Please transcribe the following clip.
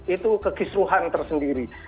itu kekisuhan tersendiri